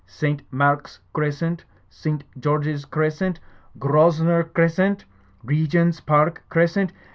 St. Mark's Crescent! St. George's Crescent! Grosvenor Crescent ! Regent's Park Crescent